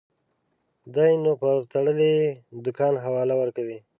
دى نو پر تړلي دوکان حواله ورکوي.